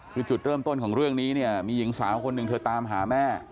คือจุดเริ่มต้นของเรื่องนี้เนี่ยมีหญิงสาวคนหนึ่งเธอตามหาแม่